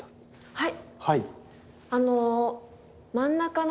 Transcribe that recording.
はい！